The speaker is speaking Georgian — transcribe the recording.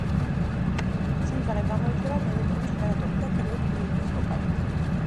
სიმღერა გამოირჩევა მელოტრონის ჟღერადობით და გრეგ ლეიკის ვოკალით.